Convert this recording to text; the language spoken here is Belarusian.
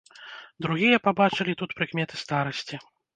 Другія пабачылі тут прыкметы старасці.